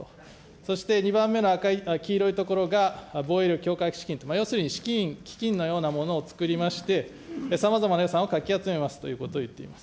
そして２番目の黄色い所が防衛力強化資金と、要するに資金、基金のようなものをつくりまして、さまざまな予算をかき集めますということをいっています。